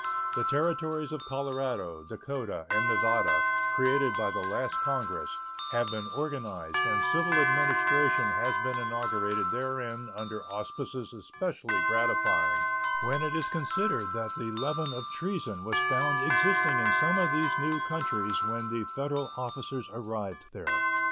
The Territories of Colorado, Dakota, and Nevada, created by the last Congress, have been organized, and civil administration has been inaugurated therein under auspices especially gratifying when it is considered that the leaven of treason was found existing in some of these new countries when the Federal officers arrived there.